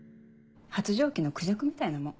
発情期のクジャクみたいなもん。